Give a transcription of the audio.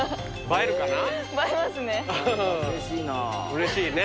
うれしいな。